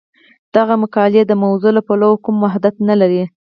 دغه مقالې د موضوع له پلوه کوم وحدت نه لري.